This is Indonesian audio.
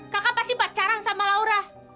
kakak pasti pacaran sama laura